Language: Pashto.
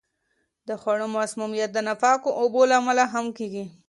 د خوړو مسمومیت د ناپاکو اوبو له امله هم کیږي.